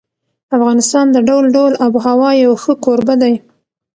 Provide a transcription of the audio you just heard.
افغانستان د ډول ډول آب وهوا یو ښه کوربه دی.